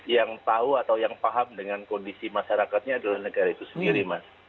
yang tahu atau yang paham dengan kondisi masyarakatnya adalah negara itu sendiri mas